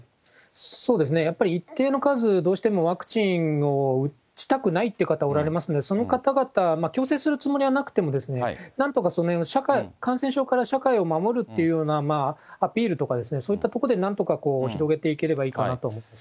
やっぱり一定の数、どうしてもワクチンを打ちたくないという方おられますので、その方々、強制するつもりはなくてもですね、なんとかそのへんを、感染症から社会を守るというようなアピールとかですね、そういうところでなんとか広げていければいいかなと思います